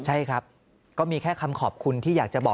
ใช่ครับก็มีแค่คำขอบคุณที่อยากจะบอก